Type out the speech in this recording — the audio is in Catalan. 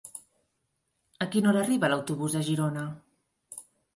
A quina hora arriba l'autobús de Girona?